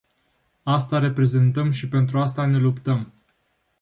Asta reprezentăm și pentru asta ne luptăm.